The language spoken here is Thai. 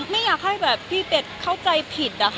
ไม่อยากให้พี่เป็นเข้าใจผิด